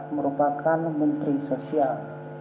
merupakan menteri sosial